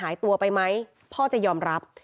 หายตัวไปไหมพ่อจะยอมรับ